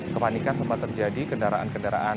kepanikan sempat terjadi kendaraan kendaraan